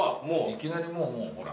いきなりもうほら。